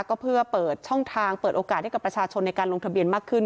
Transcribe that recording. ก็เพื่อเปิดช่องทางเปิดโอกาสให้กับประชาชนในการลงทะเบียนมากขึ้น